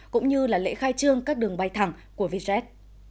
cũng như lễ khai trương các đường bay thẳng của vietjet